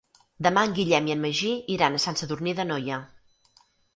Demà en Guillem i en Magí iran a Sant Sadurní d'Anoia.